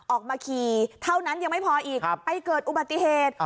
ออกมาขี่เท่านั้นยังไม่พออีกไปเกิดอุบัติเหตุ